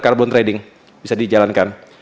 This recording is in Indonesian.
carbon trading bisa dijalankan